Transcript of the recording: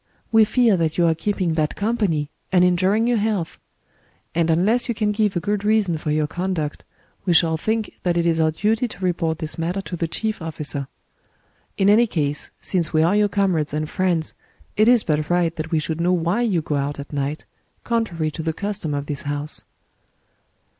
We fear that you are keeping bad company, and injuring your health. And unless you can give a good reason for your conduct, we shall think that it is our duty to report this matter to the Chief Officer. In any case, since we are your comrades and friends, it is but right that we should know why you go out at night, contrary to the custom of this house."